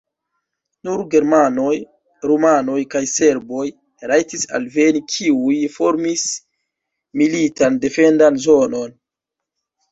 Nur germanoj, rumanoj kaj serboj rajtis alveni, kiuj formis militan defendan zonon.